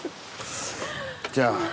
じゃあ。